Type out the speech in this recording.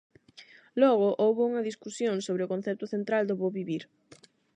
Logo houbo unha discusión sobre o concepto central do bo vivir.